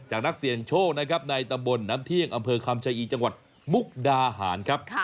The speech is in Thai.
นักเสี่ยงโชคนะครับในตำบลน้ำเที่ยงอำเภอคำชะอีจังหวัดมุกดาหารครับ